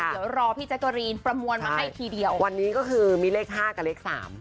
เดี๋ยวรอพี่แจ๊กกะรีนประมวลมาให้ทีเดียววันนี้ก็คือมีเลขห้ากับเลขสาม